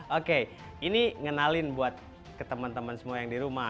oke ini ngenalin buat ke teman teman semua yang di rumah